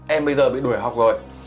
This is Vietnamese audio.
em bây giờ bị đuổi học rồi